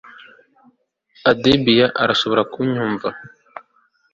debbie! urashobora kunyumva